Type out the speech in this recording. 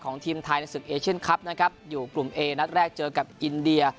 ทีมไทยในศึกเอเชียนคลับนะครับอยู่กลุ่มเอนัดแรกเจอกับอินเดีย